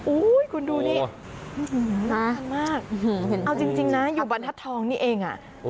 อุ๊ยคุณดูนี่มากเอาจริงนะอยู่บรรทัศน์ทองนี่เอง